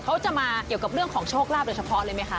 เขาจะมาเกี่ยวกับเรื่องของโชคลาภโดยเฉพาะเลยไหมคะ